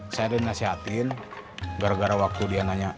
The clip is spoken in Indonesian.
saya dinasihatin gara gara waktu dia nanya